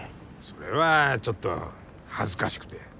それはちょっと恥ずかしくて。